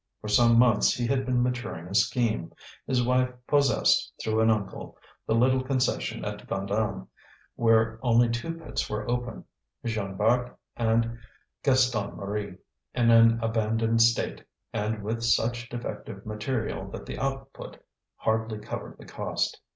For some months he had been maturing a scheme. His wife possessed, through an uncle, the little concession of Vandame, where only two pits were open Jean Bart and Gaston Marie in an abandoned state, and with such defective material that the output hardly covered the cost.